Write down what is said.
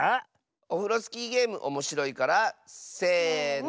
オフロスキーゲームおもしろいからせの。